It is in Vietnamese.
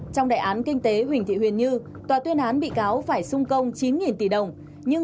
trong đại án kinh tế huỳnh thị huyền như tòa tuyên án bị cáo phải sung công chín tỷ đồng nhưng